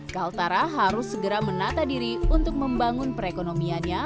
kaltara harus segera menata diri untuk membangun perekonomiannya